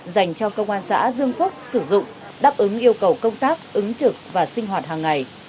dành cho công an xã dương phúc sử dụng đáp ứng yêu cầu công tác ứng trực và sinh hoạt hàng ngày